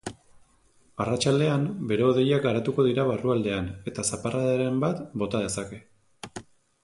Arratsaldean bero-hodeiak garatuko dira barrualdean eta zaparradaren bat bota dezake.